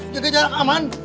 jaga jarak aman